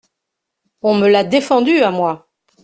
On me l’a défendu, à moi !